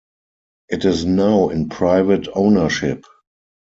It is now in private ownership.